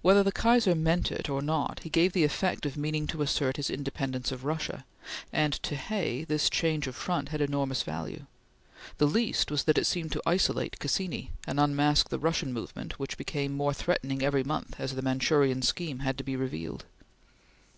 Whether the Kaiser meant it or not, he gave the effect of meaning to assert his independence of Russia, and to Hay this change of front had enormous value. The least was that it seemed to isolate Cassini, and unmask the Russian movement which became more threatening every month as the Manchurian scheme had to be revealed.